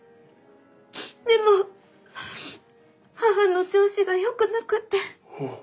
でも母の調子がよくなくて。